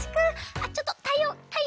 あっちょっと太陽が太陽が！